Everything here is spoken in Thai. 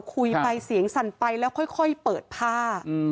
คุยไปเสียงสั่นไปแล้วค่อยเปิดผ้า